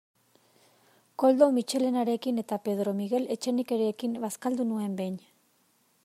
Koldo Mitxelenarekin eta Pedro Miguel Etxenikerekin bazkaldu nuen behin.